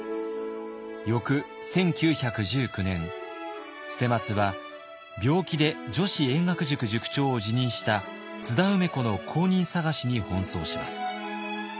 翌１９１９年捨松は病気で女子英学塾塾長を辞任した津田梅子の後任探しに奔走します。